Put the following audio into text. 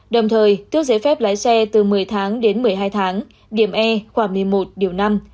đồng thời tước giấy phép lái xe từ một mươi tháng đến một mươi hai tháng điểm e khoảng một mươi một điều năm